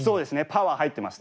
パワー入ってますね。